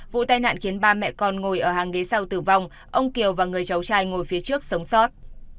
vụ tai nạn khiến ba mẹ con ngồi ở hàng ghế sau tử vong ông kiều và người cháu trai ngồi phía trước sống sót